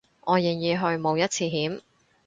我願意去冒一次險